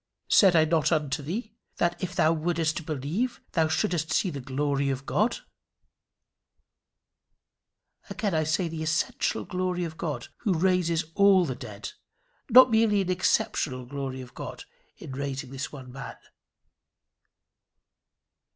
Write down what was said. "Said I not unto thee, that if thou wouldest believe, thou shouldest see the glory of God?" Again I say the essential glory of God who raises all the dead, not merely an exceptional glory of God in raising this one dead man.